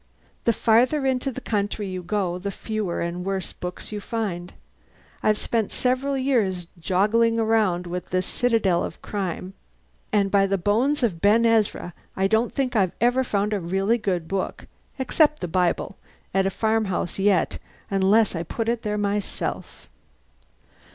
The farther into the country you go, the fewer and worse books you find. I've spent several years joggling around with this citadel of crime, and by the bones of Ben Ezra I don't think I ever found a really good book (except the Bible) at a farmhouse yet, unless I put it there myself.